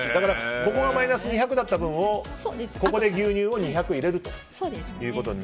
マイナス２００だった分を牛乳を２００入れると。